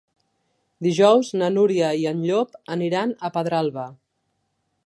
Dijous na Núria i en Llop aniran a Pedralba.